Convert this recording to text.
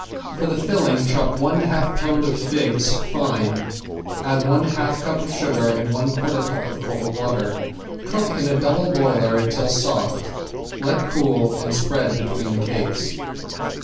For the filling chop one half pound of figs fine, add one half cup of sugar and one quarter cup of cold water. Cook in a double boiler until soft, let cool, and spread between the cakes.